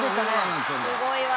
「すごいわ」